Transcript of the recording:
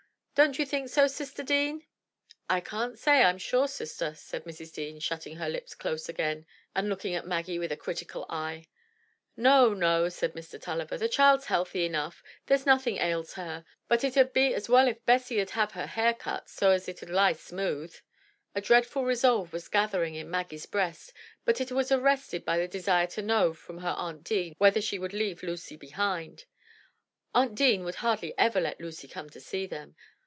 Don't you think so, sister Deane?" I can't say, I'm sure, sister," said Mrs. Deane, shutting her lips close again and looking at Maggie with a critical eye. "No, no!" said Mr. Tulliver, "the child's healthy enough; there's nothing ails her. But it 'ud be as well if Bessy 'ud have her hair cut so as it 'ud lie smooth." A dreadful resolve was gathering in Maggie's breast, but it was arrested by the desire to know from her aunt Deane whether she would leave Lucy behind. Aunt Deane would hardly ever let Lucy come to see them.